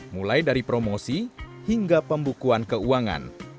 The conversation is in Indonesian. mulai dari promosi hingga pembukuan keuangan